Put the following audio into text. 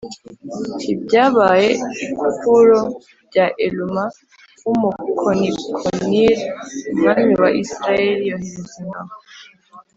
Ibyabaye i Kupuro bya Eluma w umukonikonir Umwami wa Isirayeli yohereza ingabo